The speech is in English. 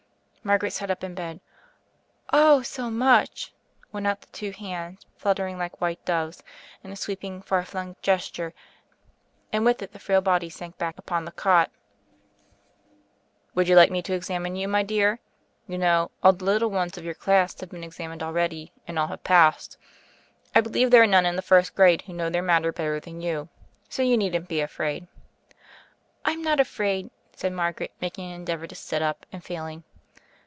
Margaret sat up in bed. "Oh, so much!" Out went the two hands, fluttering like white doves, in a sweeping, far flung gesture, and with it the frail body sank back upon the cot. io6 THE FAIRY OF THE SNOWS Would you like me to examine you, my dear? You know, all the little ones of your class have been examined already, and all have passed. I believe there are none in the first grade who know their matter better than you; so you needn't be afraid." "I'm not afraid," said Margaret, making an endeavor to sit up — and failing.